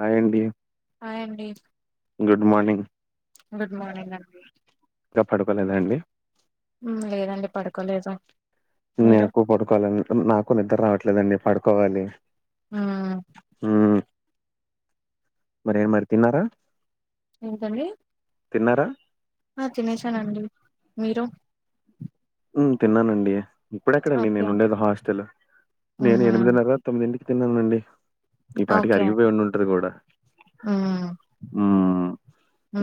Hi అండి hi అండి good morning good morning అండి ఇంకా పడుకోలేద అండి మ్, లేదండి పడుకోలేదు నేను మీరు ఒక పడుకోలేదు నాకు ఇంకా నిద్ర రావట్లేదండి పడుకోవాలి మ్, మరి ఏమైనా తిన్నారా ఏంటండీ తిన్నారా ఆ తినేసానండి మీరు హ్మ్ తిన్నానండి ఇప్పుడెక్కడండి ఓకే నేను ఉండేది హాస్టల్ నేను మ్హూ. ఎనిమిదిన్నర తొమ్మిది ఇంటికి తిన్నానండి ఈ పాటికి ఓకే అరిగిపోయి ఉంటది కూడా మ్, హ్మ్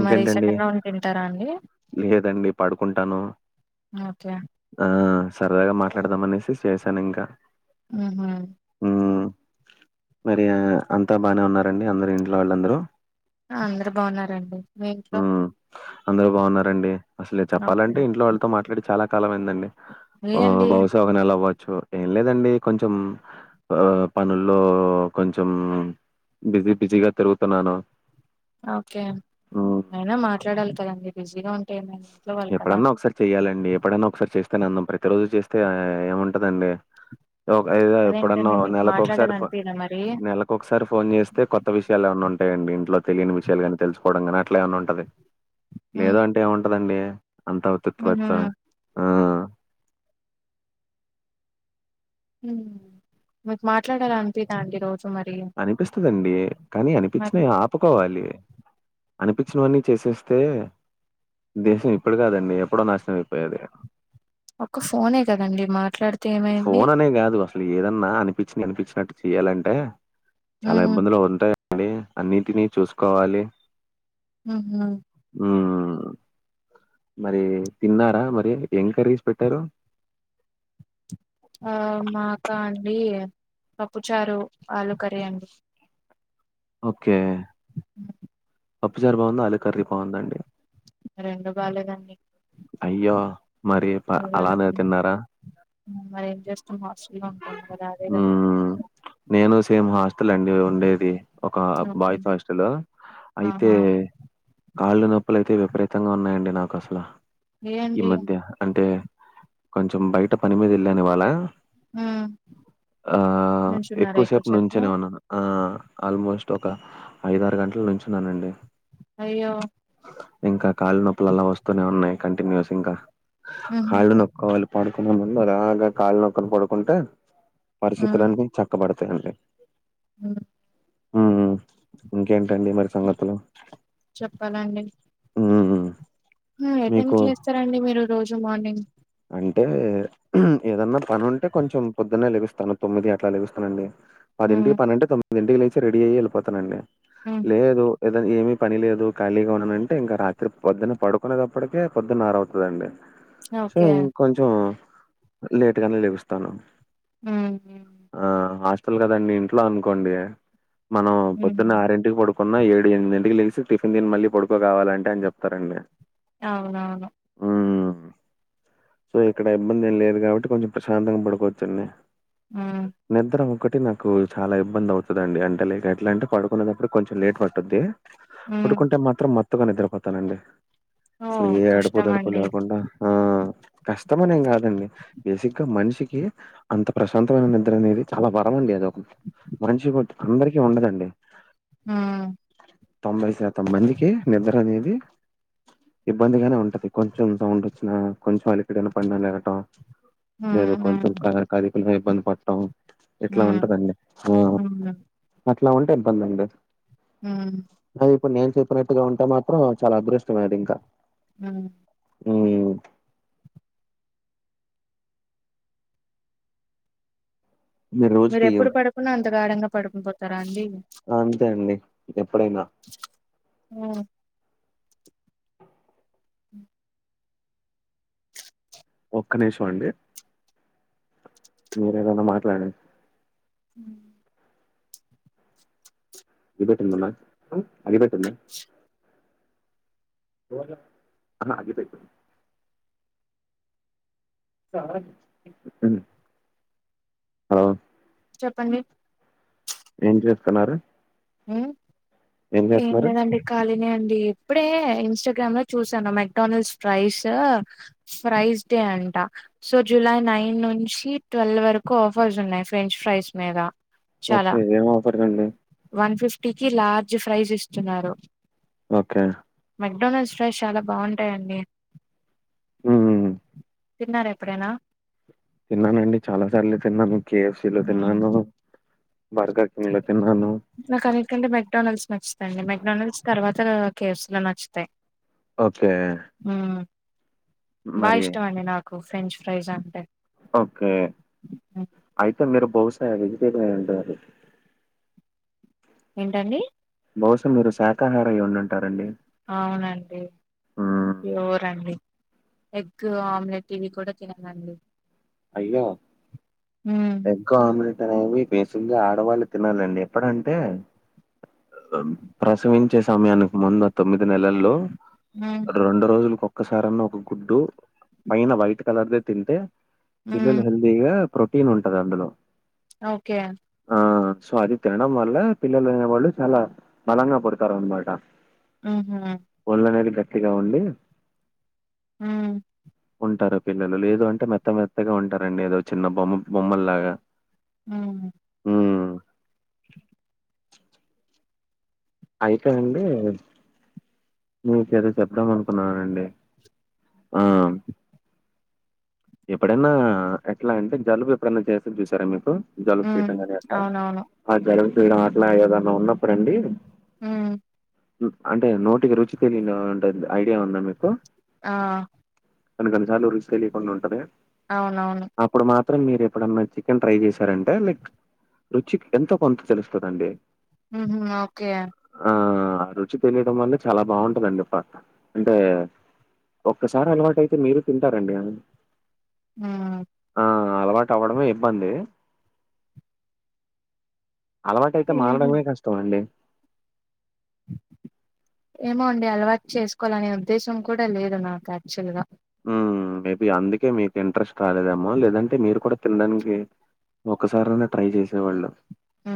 మరి సెకండ్ రౌండ్ తింటారా అండి లేదండి పడుకుంటాను ఓకే ఆ సరదాగా మాట్లాడదాం అనేసి చేశాను ఇంకా ఉహు హమ్ మరి అంతా బానే ఉన్నారండి అందరు ఇంట్లో వాళ్ళందరూ అందరు బాగున్నారండి మీ ఇంట్లో హ్మ్ అందరు బాగున్నారండి అసలు ఓకే చెప్పాలంటే ఇంట్లో వాళ్ళతో మాట్లాడి చాలా కాలంమైందండి లే ఆ అండి బహుశా ఒక నెల అవ్వచ్చు ఏం లేదండి కొంచెం ఆ పనుల్లో కొంచెం బిజీ బిజీగా తిరుగుతున్నాను ఓకే హ్మ్. అయినా మాట్లాడాలి కదండి బిజీగా వుంటెమి ఇంట్లో వాలు కదా చెయ్యాలండి ఎప్పుడైన ఒకసారి చేస్తేనే [unintelligible] ప్రతి రోజు చేస్తే ఏముంటదండి ఎప్పుడన్నా అదేంటండి మీకు నెలకు మాట్లాడాల ఒకసారి అనిపిదా మరి నెల ఒకసారి ఫోన్ చేస్తే కొత్త విషయాలు ఏమన్న ఉంటాయండి ఇంట్లో తెలియని విషయాలుగానీ తెలుసు కూడ కానే అట్ల ఏమన్నా ఉంటది మ్, లేదు అంటే ఏముంటదండి అంత మ్హూ. తత్పతోనే మీకు మట్లాడాలీ అనిపీద అండి రోజు మరి అనిపిస్తుదండి కానీ అనిపించిన మరి ఆ ఒప్పుకోవాలి అనిపించినవన్నీ చేసేస్తే దేశం ఇప్పుడు కాదండి ఎప్పుడో నాశనం అయిపోయేది ఒక్క ఫోనే కదండి మాట్లాడ్ ఫోన్ అనే కాదు అసలు ఏదన్న అనిపిం [unintelligible] అనిపించినట్టు చెయ్యాలంటే చాల హ్మ్ ఇబ్బందులు ఉంటాయండి అన్నిటిని చూసుకోవాలి ఆహా ఉ మరి తిన్నార మరి ఎం కరీస్ పెట్టారు ఆ మాకా అండి పప్పుచారు ఆలు కర్రీ అం ఓకే పప్పుచారు బాగుంద అలు కర్రీ బాగుంద అండి రెండు బాలేదండి అయ్యో మరి ప అలానే తిన్నార మరి ఏం [unintelligible] హాస్టల్ లో హ్మ్. [unintelligible] [unintelligible] నేను సేమ్ హాస్టల్ అండి ఉండేది ఒక ఓకే బాయ్స్ హాస్టలు అయితే ఆహా కళ్ళు నొప్పులు అయితే విపరీతంగా ఉన్నాయండి నాకు అసలు ఈ ఏంటి మధ్య అంటే కొంచెం బయట పని మీద ఏళ్ళాను ఇవాళ హు ఆ ఎక్కువసేపు నుంచునే ఉన్నాను ఆ ఆల్మోస్ట్ ఒక ఐదారు గంటల నించునానండి అయ్యో ఇంక కాళ్ళు నొప్పులు అలా వస్తూనే ఉన్నాయి కంటిన్యూస్ ఇంక హుహు కాళ్ళు నొక్కుకోవాలి పడుకునేముందు అలాగ కాళ్ళు నొక్కుకొని పడుకుంటే పరిస్థితులన్నీ చక్కబడతాయండి ఉ ఉ ఇంకేంటండి మరి సంగతులు చెప్పాలండి ఉ ఎ టైమ్ కి లేస్తారండి మీరు రోజు మార్నింగ్ అంటే ఏదన్న పని ఉంటే కొంచెం పోదున్నే లెగుస్తాను తొమ్మిది అట్ల లెగుస్తాను అండి హ్మ్ పదింటికి పనుంటే తొమ్మిదింటికి లేచి రెడీ అయ్యి ఏళిపోతానండి ఉ లేదు ఏద ఏమి పని లేదు ఖాళీగా ఉన్నానంటే ఇంకా రాత్రి పొద్దున పడుకునే తప్పటికి పొద్దున్న ఆరు అవుతదండి సో ఓకే ఇం కొంచెం లేట్గానే లెగుస్తాను ఉ ఆ హాస్టల్ కదండి ఇంట్లో అనుకోండి మనం హ్మ్ పొద్దున్న ఆరింటికి పడు కొన్న ఏడు ఎనిమిదింటికి తెలిసి టిఫిన్ దిని మళ్ళీ పొడుకో కావాలంటే అని చెప్తారండి అవునవును ఊ సో ఇక్కడ ఇబ్బంది ఏం లేదు కాబట్టి కొంచెం ప్రశాంతంగ పడుకోచ్చండి ఊ నిద్ర ఒకటి నాకు చాలా ఇబ్బందవుతుందండి అంటే లేక్ ఎట్లా అంటే పడుకునేటప్పుడు కొంచెం లేట్ పట్టుద్ది హ్మ్ పడుకుంటే మాత్రం మత్తుగా నిద్రపోతానండి ఓ అసలు ఏ అడుపు దడుపు కష్టమండి. లేకుండా ఆ కష్టమనేం గాదండి బేసిక్గా మనిషికి అంత ప్రశాంతమైన నిద్ర అనేది చాలా వరం అండి అదొక మనిషిగు అందరికిీ ఉండదండి హ్మ్. తొంభై శాతం మందికి నిద్రనేది ఇబ్బందిగానే ఉంటది కొంచెం సౌండ్ ఒచ్చిన కొంచెం అలిపిడి నపడిన లేగటం లేదు హ్మ్. కొంచెం క హ్మ్. కదిపినా ఇబ్బంది పడ్ టం ఇట్లా హ్మ్. ఉంటదండి ఊమ్ హ్మ్. అట్లా ఉంటే ఇబ్బంద్ అండి ఊమ్ అది ఇప్పుడు నేను చెప్పినట్టుగా ఉంటే మాత్రం చాలా అదృష్టమే అది ఇంకా అ ఊమ్ మీరు మీర్ రోజుకి ఎప్పుడు పడుకున్నా అంత గాఢంగా పడుకున్ పోతారా అండి అంతే అండి ఎప్పుడైనా ఉ ఉ ఒక్క నిషం అండి మీరేదన్నా మాట్లాడన్ ఉం ఇ పెట్టినున్న అమ్ అది పెట్ంద అన్న అగ్గిపె ఉం హలొ చెప్పండి ఏం చేస్తున్నారు ఉమ్ ఏం లేదండి ఖాలీనె అండి ఇప్పుడే ఇన్స్టాగ్రామ్ లో చూసాను మెక్డనల్డ్స్ ప్రైస్ ఫ్రైస్ డే అంట సో జులై నైన్ నుంచి ట్వెల్వ్ వరకు ఆఫర్స్ ఉన్నాయి ఫ్రెంచ్ ఫ్రైస్ మేదా చాలా ఓకే ఏం ఆఫర్ అండి వన్ ఫిఫ్టీకి లార్జ్ ఫ్రైస్ ఇస్తున్నారు ఓకే మెక్డోనల్డ్స్ రైస్ చాలా బాగుంటాయండి ఊమ్ తిన్నార్ ఎప్పుడేనా తిన్నానండి చాలా సార్లే తిన్నాను కేఎఫ్సిీలో హ్మ్. తిన్నాను బర్గాకిన్ల తిన్నాను నాకన్నిటికంటే మెక్డడానల్స్ నచ్చుతాండి మెక్డడానల్డ్స్ తర్వాత కేవ్స్ లో నచ్చుతయ్ ఓకే ఊమ్ బా మరి ఇష్టం అండి నాకు ఫ్రెంచ్ ఫ్రైస్ అంటే ఓకే హ్మ్. అయితే మీరు బహుశా వెజిటేరియన్ అయ్యుంటారు ఏంటండి బహుశా మీరు శాకాహార అయ్యి ఉండండ్ టారండి అవునండి ప్యూరండి ఎగ్ ఆమ్లెట్ ఇవి కూడ తినకండి అయ్యో మ్మ్ ఎ క్కువ ఆమ్లెట్ అనేవి బేసిగ్గ ఆడవాళ్ళు తినాలండి ఎప్పుడంటే ప్రసవించే సమయానికి ముందు తొమ్మిది నెలల్లో ఉమ్ రెండు రోజులకు ఒక్కసారన్నా ఒక గుడ్డు పైన వైట్ కలర్ దే తింటే పిల్లలు మ్మ్ హెల్దీగా ప్రోటీన్ ఉంటది అందులో అ ఓకె ఆ సో అది తినడం వల్ల పిల్లలు అనె వాళ్ళు చాలా బలంగా పుడుతారు అనమాట ఆహ ఒళ్లు అనేది గట్టిగా ఉండి ఉ ంటారు పిల్లలు లేదు అంటే మెత్త మెత్తగ ఉంటారండి ఏదో చిన్న బొమ్మ బొమ్మల్లాగా ఊహు మ్ అయితే నండి మీకు ఏదో చెప్దాం అనుకున్నానండి ఆ ఎప్పుడన్నా ఎట్ల అంటే జలుబు ఎప్పుడైనా చేస్తే చూసారా మీకు జలుబు చేయడం మ్మ్ కాని అట్ల అవునవును ఆ జలుబు చేయడం అట్లా ఏదన్నా ఉన్నప్పుడు అండి ఉమ్ అంటే నోటికి రుచి తెలియని తింటె ఐడియా ఉందా మీకు ఆ కొన్ని కొన్నిసార్లు రుచి తెలియకుండా ఉంటది అవునవును అప్పుడు మాత్రం మీరు ఎప్పుడన్నా చికెన్ ట్రై చేశారంటే లైక్ రుచికి ఎంత కొంత తెలుస్తదండి. ఉహు ఓకే ఆ రుచి తెలియడం వల్ల చాల బాగుంటుందండి అంటే ఒక్కసారి అలవాటు అయితే మీరు తింటారండి ఆ ఆ ఆ అలవాటు అవ్వడమే ఇబ్బంది అలవాటు అయితే ఏమో మానడమే కష్టం అండి ఏమో అండి అలవాటు చేసుకోవాలనే ఉద్దేశం కూడ లేదు నాకు యాక్చ్వల్ గా ఉ మేబీ అందుకే మీకు ఇంట్రెస్ట్ రాలేదేమో లేదంటే మీరు కూడా తినడానికి ఒక్కసారి అన్న ట్రై చేసేవాళ్ళు ఉ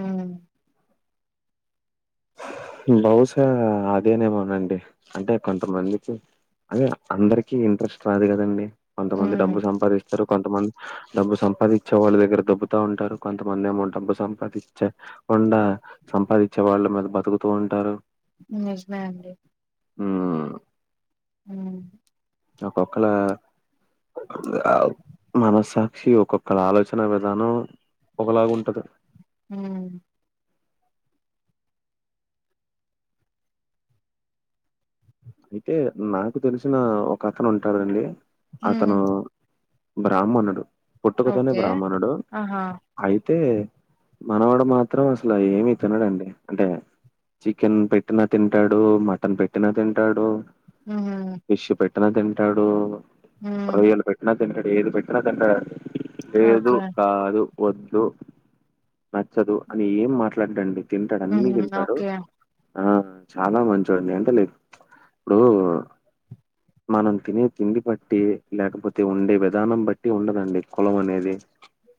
లవుశా అదేనేమోనండి అంటే కొంతమందికి అదే అందరికిీ ఇంట్రెస్ట్ రాదు కదండి కొంతమంది మ్మ్ డబ్బు సంపాదిస్తారు కొంతమంది డబ్బు సంపాదించే వాళ్ళ దగ్గర దొబ్బుతా ఉంటారు కొంతమంది ఏమో డబ్బు సంపాదించకుండా సంపాదించే వాళ్లు మీద బతుకుతూ ఉంటారు నిజమే అండి ఉ మ్ ఒక్కొకల మనస్సాక్షి ఒక్కొక్కరు ఆలోచన విధానం ఒకలాగు ఉంటది హా అయితే నాకు తెలిసిన ఒక అతను ఉంటాడండి హ్మ్ అతను బ్రాహ్మణుడు పుట్టుకతోనే ఓకే బ్రాహ్మణుడు ఆహా! అయితే మనవాడు మాత్రం అసలు ఏమి తినడండి అంటే చికెన్ పెట్టినా తింటాడు మటన్ పెట్టినా తింటాడు ఉహ్ పిష్ పెట్టిన తింటాడు హ్మ్. రొయ్యలు పెట్టిన తింటాడు ఏది పెట్టినా తింటాడం లేదు ఓకే. కాదు వద్దు నచ్చదు అని ఏం మాట్లాడండి తింటాడు అన్ని హుహు. తింటాడు ఓకే. ఆ చాలా మంచోడండి అంటేలే ఇప్పుడు మనం తినే తిండి బట్టి లేకపోతే ఉండే విధానం బట్టి ఉండదండి కులం అనేది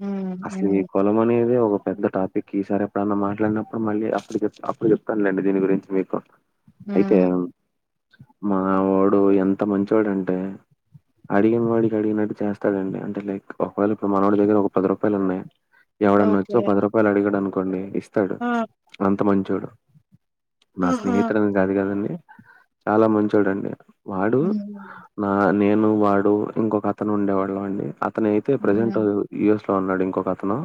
హ్మ్. అసల్ ఈ హ్మ్. కూలం అనేది ఒక పెద్ద టాపిక్ ఈసారి ఎప్పుడన్న మాట్లాడినప్పుడు మళ్ళీ అప్ చె అప్పుడు చెప్ తను లేండి దీని గురించి మీకు అయితే హ్మ్. మన వాడు ఎంత మంచోడు అంటే అడిగిన వాడికి అడిగినట్టు చేస్తాడండి అంటే లైక్ మనవోడి దగ్గర ఒక పది రూపాయలు ఉన్నాయి ఎవడన్నా వచ్చో ఓకే. పది రూపాయలు అడిగాడు అనుకోండి ఇస్ స్తాడు ఆ! అంత మంచోడు నా ఆహా! స్నేహితుడని కాదు కదండి చాలా మంచోడండి వాడు హ్మ్. నా నేను వాడు ఇంకొక అతను ఉండేవాడు అండి అతను అయితే ప్రెజెంట్ హ్మ్. యుఎస్ లో ఉన్నాడు ఇంకొకతను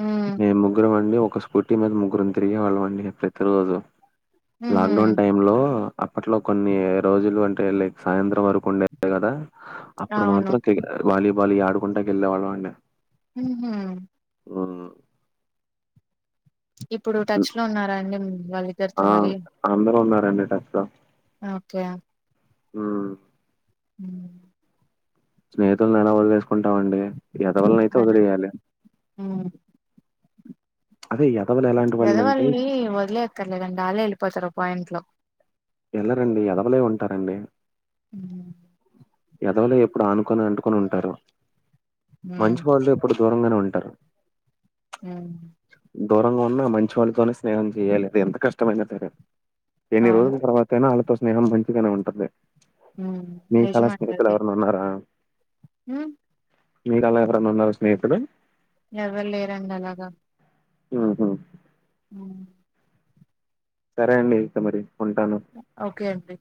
ఉమ్మ్ మేం ముగ్గురం అండి ఒక స్కూటీ మీద ముగ్గురం తిరిగే వాళ్ళండి ప్రతి రోజు హుహు. లాక్ డౌన్ టైమ్ లో అప్పట్లో కొన్ని రోజులు ఉంటే లైక్ సాయంత్రం వరకు ఉండే కదా అప్పుడు అవును. మాత్రం కే ఆ వాలీబాలీ ఆడుకుంటకీ ఎల్లే వాళ్లమండి ఉహా అవును ఇప్పుడు టచ్ లో ఉన్నారా అండి వాళ్ళిద్దరితో ఆ మరి అందరూ ఉన్నారండి టచ్ లో ఓకే ఉ ఉ స్నేహితులనేల వదిలేసుకుంటామండి ఎదవలనైతే నిజమేనండి. వదిలేయాలి హ్మ్ అదే ఎదవలు ఎలాంటి వాళ్ళు అంటే ఎదవల్ని వదిలే అక్కర్లేదండి ఆళ్లే వెళ్ళిపోతారు ఒక పాయింట్ లో వెళ్లరండి ఎదవలే ఉంటారండి ఉ ఎదవలే ఎప్పుడు ఆనుకొని అంటుకొని ఉంటారు మంచి హ్మ్. వాళ్ళు ఎప్పుడు దూరంగానే ఉంటారు ఉమ్ దూరంగా ఉన్నా మంచి వాళ్ళతోనే స్నేహం చేయ్యలేదు ఎంత కష్టమైన సరే ఎన్ని అవును. రోజుల తర్వాత అయినా ఆళ్ళతో స్నేహం మంచిగానే ఉంటుంది హుమ్ లే స్నేహితులు ఎవరైనా ఉన్నారా హ్మ్ మీ దాంట్లో ఎవరైనా ఉన్నారా స్నేహితులు ఎవరు లేరండి అలాగా హూ హూ ఉ సరే అండి ఇంక మరి ఉంటాను ఓకే అండి